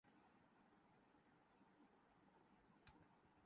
ملاوٹ کرنی ہی ہے۔